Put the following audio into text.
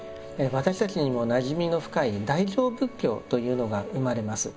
私たちにもなじみの深い大乗仏教というのが生まれます。